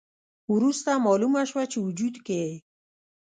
وروسته مالومه شوه چې وجود کې یې